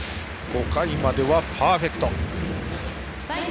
５回まではパーフェクト。